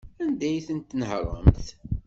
Anda ay tent-tnehṛemt?